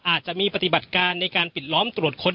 อาจจะมีปฏิบัติการในการปิดล้อมตรวจค้น